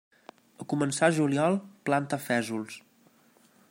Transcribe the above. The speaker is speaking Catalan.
A començar juliol, planta fesols.